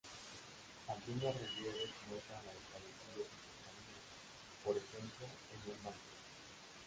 Algunos relieves muestran a los fallecidos y sus familias, por ejemplo, en un banquete.